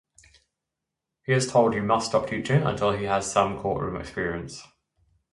He is told he must stop teaching until he has had some courtroom experience.